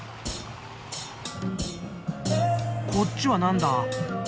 こっちは何だ？